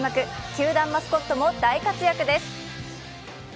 球団マスコットも大活躍です。